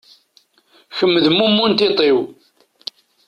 Kem d mummu n tiṭ-iw.